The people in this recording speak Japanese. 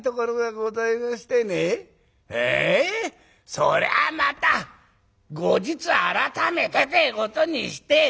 そりゃあまた後日改めてってえことにしてねえ？